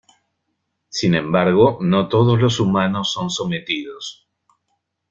Sin embargo, no todos los humanos son sometidos.